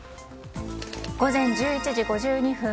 午前１１時５２分。